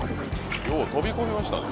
よう飛び込みましたね。